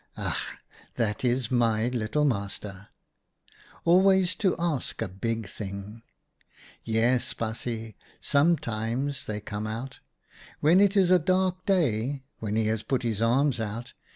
" Ach ! that is my little master ! Always to ask a 60 OUTA KAREL'S STORIES big thing ! Yes, baasje, sometimes they come out. When it is a dark day, then he has put his arms out.